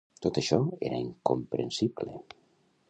Tot això era incomprensible.